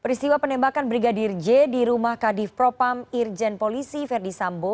peristiwa penembakan brigadir j di rumah kadif propam irjen polisi verdi sambo